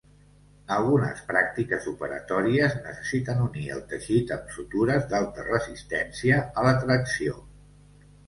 Algunes pràctiques operatòries necessiten unir el teixit amb sutures d'alta resistència a la tracció.